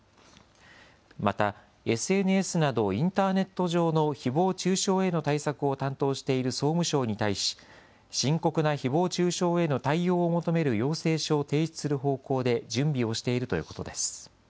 また、ＳＮＳなどインターネット上のひぼう中傷への対策を担当している総務省に対し、深刻なひぼう中傷への対応を求める要請書を提出する方向で準備をしているということです。